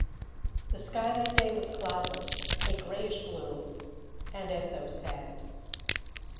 The sky that day was cloudless, a grayish blue, and as though sad.